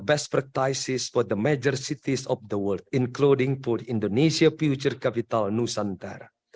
dan praktisi terbaik untuk kota kota besar di dunia termasuk untuk indonesia future capital nusantara